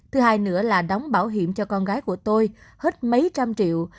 thứ hai nữa là đóng bảo hiểm cho con gái của tôi hết mấy trăm triệu